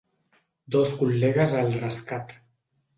Dos col·legues al rescat.